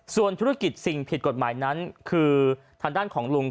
ส่วนธุรกิจสิ่งผิดกฎหมายนั้นคือทางด้านของลุง